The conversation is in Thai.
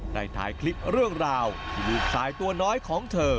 ได้ถ่ายคลิปเรื่องราวที่ลูกชายตัวน้อยของเธอ